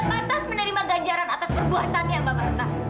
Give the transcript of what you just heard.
dia pantas menerima ganjaran atas perbuatannya mbak marta